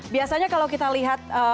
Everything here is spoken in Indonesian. biasanya kalau kita lihat